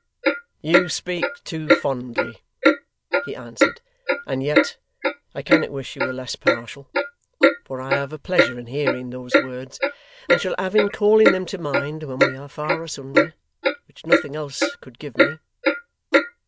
'You speak too fondly,' he answered, 'and yet I cannot wish you were less partial; for I have a pleasure in hearing those words, and shall have in calling them to mind when we are far asunder, which nothing else could give me.